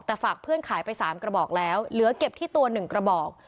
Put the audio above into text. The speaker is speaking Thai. แต่ฝากเพื่อนขายไป๓กระบอกแล้วเหลือเก็บที่ตัว๑กระบอก